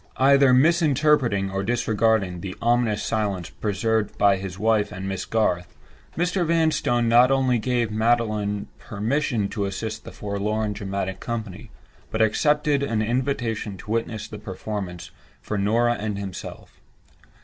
Either misinterpreting, or disregarding, the ominous silence preserved by his wife and Miss Garth, Mr. Vanstone not only gave Magdalen permission to assist the forlorn dramatic company, but accepted an invitation to witness the performance for Norah and himself.